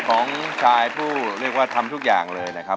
ของชายผู้เรียกว่าทำทุกอย่างเลยนะครับ